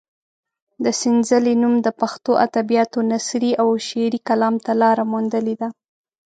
د سنځلې نوم د پښتو ادبیاتو نثري او شعري کلام ته لاره موندلې ده.